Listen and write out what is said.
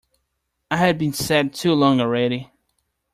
I had been sad too long already.